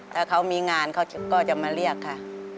ถ้าเขามีงานเขาก็จะมาเรียกค่ะ